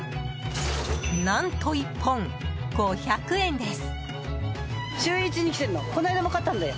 何と１本５００円です。